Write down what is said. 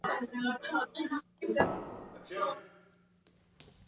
hali ya maisha sio nzuri si ya kupendeza